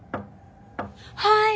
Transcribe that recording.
はい！